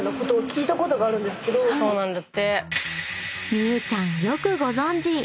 ［望結ちゃんよくご存じ！］